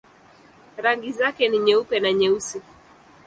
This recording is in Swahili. Rangi zake ni nyeupe na nyeusi.